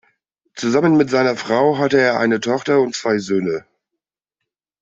Zusammen mit seiner Frau hat er eine Tochter und zwei Söhne.